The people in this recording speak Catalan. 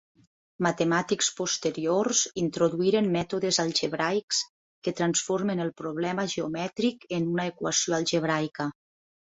Matemàtics posteriors introduïren mètodes algebraics, que transformen el problema geomètric en una equació algebraica.